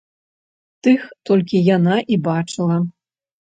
Тых толькі яна і бачыла.